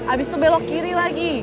abis itu belok kiri lagi